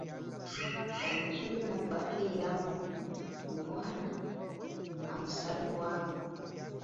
Omukyala bwafiiramu omwana, amusalibwamu.